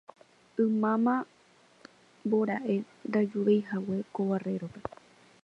ymáma mbora'e ndajuveihague ko Barrerope